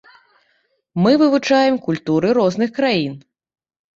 Мы вывучаем культуры розных краін.